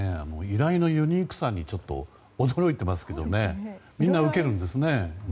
依頼のユニークさに驚いていますけどみんな受けるんですね。